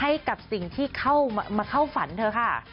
ให้กับสิ่งที่เข้าฝันเธอ